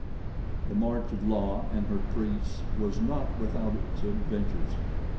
The march of La and her priests was not without its adventures.